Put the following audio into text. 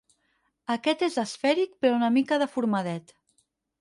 Aquest és esfèric però una mica deformadet.